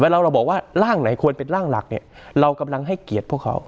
เราบอกว่าร่างไหนควรเป็นร่างหลักเนี่ยเรากำลังให้เกียรติพวกเขา